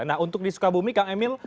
nah untuk di sukabumi kang emil